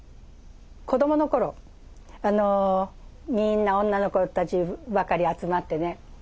子どもの頃みんな女の子たちばっかり集まってね